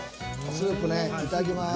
スープねいただきます。